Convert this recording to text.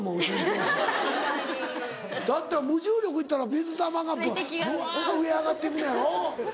・確かに・だって無重力行ったら水玉がブワ上上がっていくねやろ。